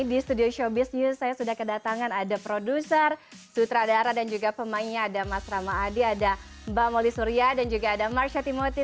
di studio showbiz news saya sudah kedatangan ada produser sutradara dan juga pemainnya ada mas rama adi ada mbak moli surya dan juga ada marsha timoti